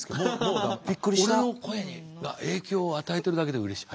俺の声が影響を与えてるだけでうれしい。